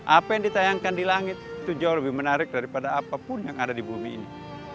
apa yang ditayangkan di langit itu jauh lebih menarik daripada apapun yang ada di bumi ini